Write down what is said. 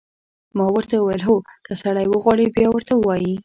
ما ورته وویل: هو، که سړی وغواړي، بیا ورته وایي.